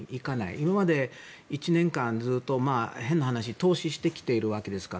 今まで、１年間ずっと変な話投資してきているわけですから。